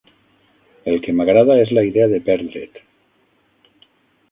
El que m'agrada és la idea de perdre't.